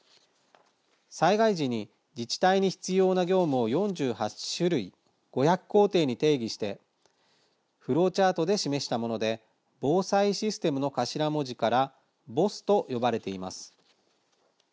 災害時に自治体に必要な業務を４８種類５００工程に定義してフローチャートで示したものでＢＯＳＡＩＳＹＳＴＥＭの頭文字からＢＯＳＳと呼ばれています。